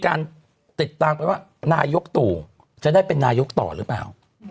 การติดตามนายกตัวอาจจะได้เป็นนายกต่อเลยหรือบ้า